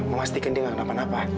memastikan dia nggak dapat napa